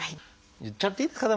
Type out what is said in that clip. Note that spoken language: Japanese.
言っちゃっていいですか？